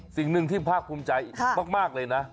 สิ่งหนึ่งที่ภาคภูมิใจมากเลยนะ